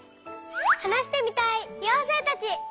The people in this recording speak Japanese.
はなしてみたいようせいたち！